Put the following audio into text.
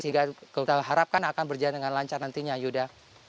sehingga kita harapkan akan berjalan dengan lancar nantinya yuda